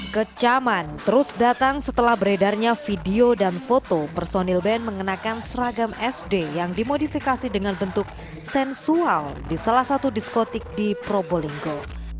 kecaman terus datang setelah beredarnya video dan foto personil band mengenakan seragam sd yang dimodifikasi dengan bentuk sensual di salah satu diskotik di probolinggo